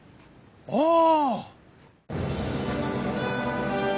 ああ！